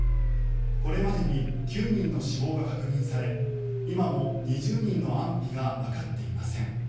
これまでに９人の死亡が確認され今も２０人の安否がわかっていません。